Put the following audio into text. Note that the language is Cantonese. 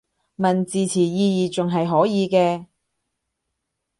問字詞意義仲係可以嘅